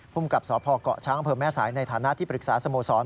พุ่มกับสพเกาะช้างเพิ่มแม่สายในฐานะที่ปรึกษาสโมสร